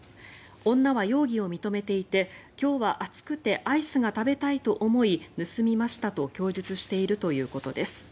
女は容疑を認めていて今日は暑くてアイスが食べたいと思い盗みましたと供述しているということです。